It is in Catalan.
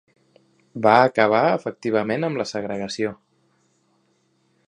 Va acabar efectivament amb la segregació.